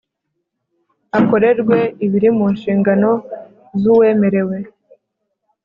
akorerwe ibiri mu nshingano z uwemerewe